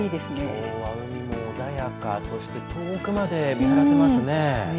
きょうは海も穏やかそして遠くまで見晴らせますね。